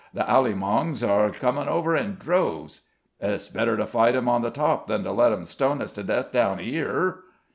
The Alleymongs are coming over in droves...." "It's better to fight them on the top than to let them stone us to death down here."